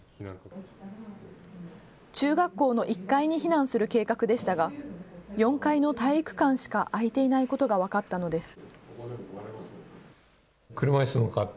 中学校の１階に避難する計画でしたが４階の体育館しか空いていないことが分かったのです。